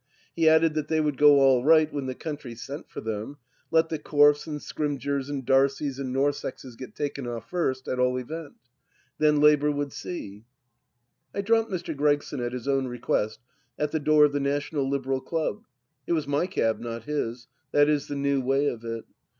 He added that they would go all right when the country sent for them ; let the Corfes and Scrym geours and Darcies and Norssexes get taken off first, at all events. Then Labour would see !... I dropped Mr. Gregson at his own request at the door of the National Liberal Club. It was my cab, not his ; that is the new way of it.